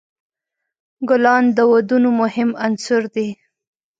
ګلان د ودونو مهم عنصر دی.